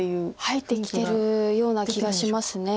入ってきてるような気がします。